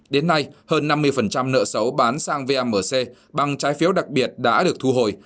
đến nay hơn năm mươi nợ xấu bán sang vamc bằng trái phiếu đặc biệt đã được thu hồi